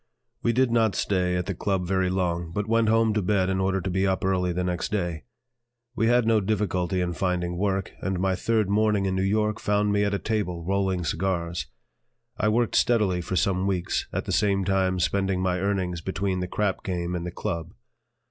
We did not stay at the "Club" very long, but went home to bed in order to be up early the next day. We had no difficulty in finding work, and my third morning in New York found me at a table rolling cigars. I worked steadily for some weeks, at the same time spending my earnings between the "crap" game and the "Club."